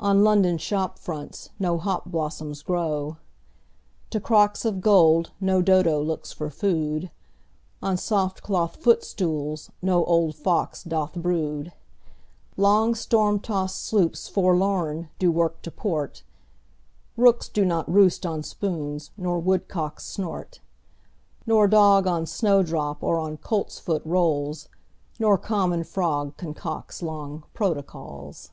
On London shop fronts no hop blossoms grow. To crocks of gold no Dodo looks for food. On soft cloth footstools no old fox doth brood. Long storm tost sloops forlorn do work to port. Rooks do not roost on spoons, nor woodcocks snort Nor dog on snowdrop or on coltsfoot rolls. Nor common frog concocts long protocols.